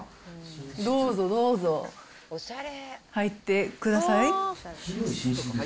どうぞどうぞ、入ってください。